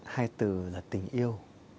hai từ là tình yêu